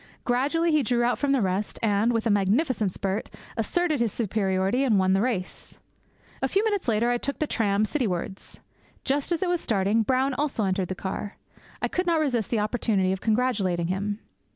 Gradually he drew out from the rest, and, with a magnificent spurt, asserted his superiority and won the race. A few minutes later I took the tram citywards. Just as it was starting, Brown also entered the car. I could not resist the opportunity of congratulating him.